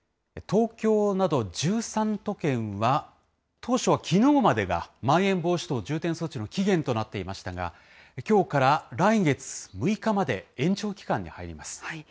東京など１３都県は、当初はきのうまでがまん延防止等重点措置の期限となっていましたが、きょうから来月６日まで延長期間に入ります。